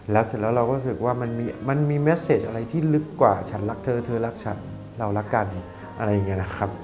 แล้วเสร็จแล้วเราก็รู้สึกว่ามันมีเมสเซจอะไรที่ลึกกว่าฉันรักเธอเธอรักฉันเรารักกันอะไรอย่างนี้นะครับ